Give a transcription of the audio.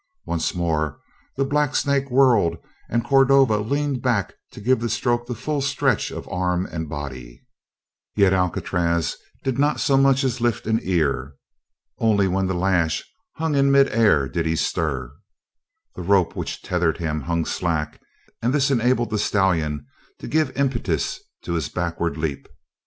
Once more the blacksnake whirled, and Cordova leaned back to give the stroke the full stretch of arm and body; yet Alcatraz did not so much as lift an ear. Only when the lash hung in mid air did he stir. The rope which tethered him hung slack, and this enabled the stallion to give impetus to his backward leap.